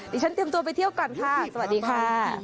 เตรียมตัวไปเที่ยวก่อนค่ะสวัสดีค่ะ